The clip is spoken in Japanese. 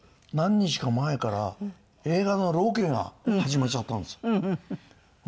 何日か前から映画のロケが始まっちゃったんですよ。